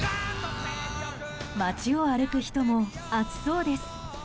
街を歩く人も暑そうです。